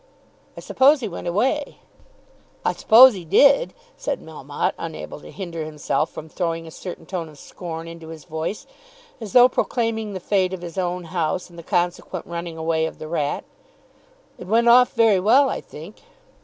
"I suppose he went away." "I suppose he did," said Melmotte, unable to hinder himself from throwing a certain tone of scorn into his voice, as though proclaiming the fate of his own house and the consequent running away of the rat. "It went off very well, I think."